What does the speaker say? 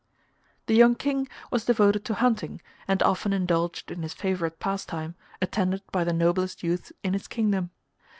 The young King was devoted to hunting, and often indulged in his favourite pastime, attended by the noblest youths in his kingdom.